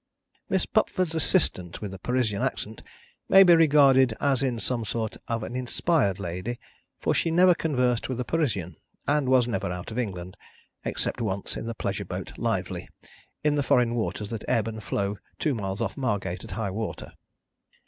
Miss Pupford's assistant with the Parisian accent, may be regarded as in some sort an inspired lady, for she never conversed with a Parisian, and was never out of England except once in the pleasure boat Lively, in the foreign waters that ebb and flow two miles off Margate at high water.